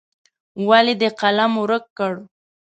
ولې دې قلم ورک کړ.